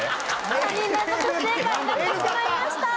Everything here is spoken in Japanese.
３人連続不正解になってしまいました。